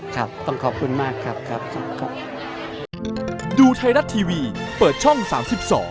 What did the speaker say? ครับต้องขอบคุณมากครับ